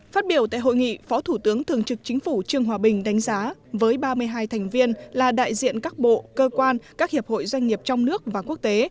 phát biểu tại hội nghị phó thủ tướng thường trực chính phủ trương hòa bình đánh giá với ba mươi hai thành viên là đại diện các bộ cơ quan các hiệp hội doanh nghiệp trong nước và quốc tế